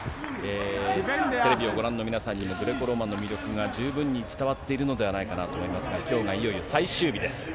テレビをご覧の皆さんにも、グレコローマンの魅力が十分に伝わっているのではないかなと思いますが、きょうがいよいよ最終日です。